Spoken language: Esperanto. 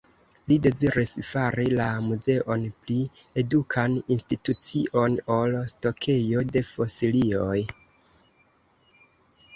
Li deziris fari la Muzeon pli edukan institucion, ol stokejo de fosilioj.